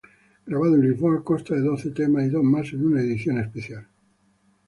Grabado en Lisboa, consta de doce temas y dos más en una edición especial.